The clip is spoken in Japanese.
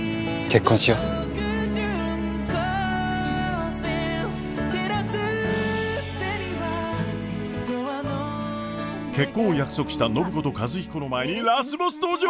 結婚を約束した暢子と和彦の前にラスボス登場！？